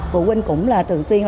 phụ huynh cũng là thường xuyên